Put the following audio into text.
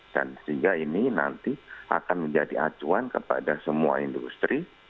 dan sehingga ini nanti akan menjadi acuan kepada semua industri